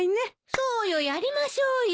そうよやりましょうよ。